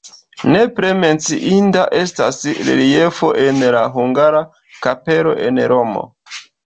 Nepre menciinda estas reliefo en la hungara kapelo en Romo.